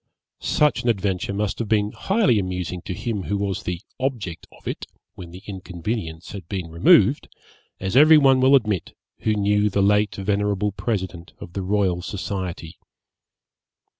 Such an adventure must have been highly amusing to him who was the object of it, when the inconvenience had been removed, as every one will admit who knew the late venerable President of the Royal Society.